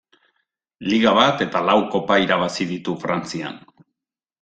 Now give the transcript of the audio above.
Liga bat eta lau kopa irabazi ditu Frantzian.